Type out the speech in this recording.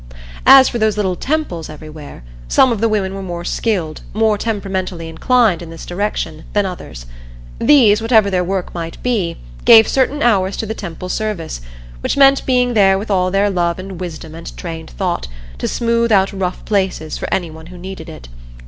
As for those little temples everywhere some of the women were more skilled, more temperamentally inclined, in this direction, than others. These, whatever their work might be, gave certain hours to the Temple Service, which meant being there with all their love and wisdom and trained thought, to smooth out rough places for anyone who needed it.